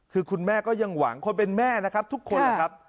คือคุณแม่ก็ยังหวังคนเป็นแม่นะครับทุกคนนะครับ